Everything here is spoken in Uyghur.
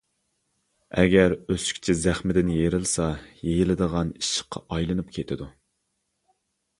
ئەگەر ئۆسۈكچە زەخىمدىن يېرىلسا يېيىلىدىغان ئىششىققا ئايلىنىپ كېتىدۇ.